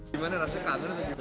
gimana rasanya kabarnya